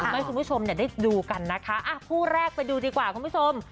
ให้คุณผู้ชมได้ดูกันนะคะคู่แรกไปดูดีกว่าคุณผู้ชม